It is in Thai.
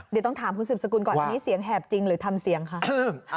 เดี๋ยวต้องถามคุณสืบสกุลก่อนอันนี้เสียงแหบจริงหรือทำเสียงคะ